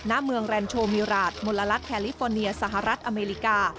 ณเมืองแรนโชมิราชมลรัฐแฮลิฟอร์เนียสหรัฐอเมริกา